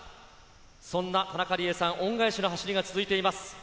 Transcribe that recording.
そんな田中理恵さん、恩返しの走りが続いています。